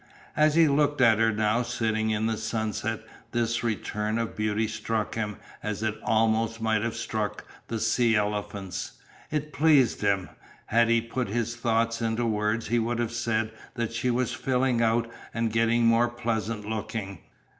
As he looked at her now sitting in the sunset this return of beauty struck him as it almost might have struck the sea elephants. It pleased him. Had he put his thoughts into words he would have said that she was filling out and getting more pleasant looking.